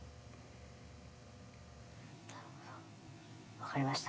分かりました。